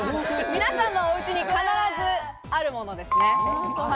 皆さんのおうちに必ずあるものですね。